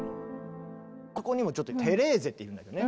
ここにもちょっと「テレーゼ」っているんだよね。